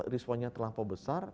responnya terlampau besar